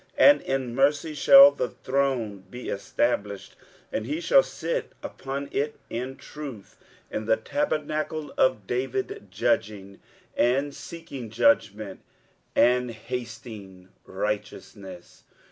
23:016:005 And in mercy shall the throne be established: and he shall sit upon it in truth in the tabernacle of David, judging, and seeking judgment, and hasting righteousness.